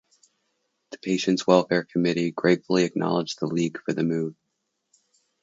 The Patients’ Welfare Committee gratefully acknowledged the league for the move.